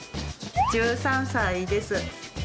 １３歳です。